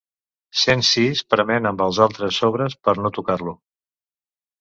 Cent sis prement amb els altres sobres per no tocar-lo.